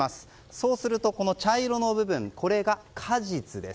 そうすると茶色の部分これが果実です。